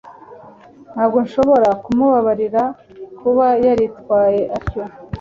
Ntabwo nshobora kumubabarira kuba yaritwaye atyo